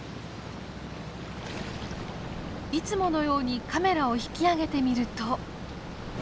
いつものようにカメラを引き上げてみると。